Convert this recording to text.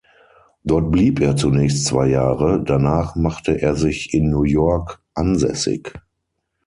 Dort blieb er zunächst zwei Jahre, danach machte er sich in New York ansässig.